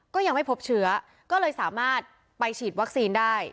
ก็ยังไม่พบเชื้อก็เลยสามารถไปฉีดวัคซีนได้